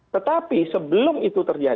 tetapi sebelum itu